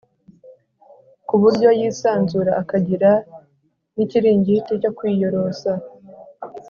ku buryo yisanzura akagira n ikiringiti cyo kwiyorosa